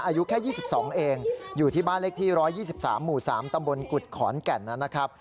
อายุแค่๒๒เองอยู่ที่บ้านเลขที่๑๒๓หมู่๓ตำบลกุฎขอนแก่นนะครับ